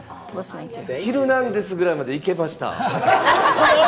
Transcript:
『ヒルナンデス！』ぐらいまで行けました。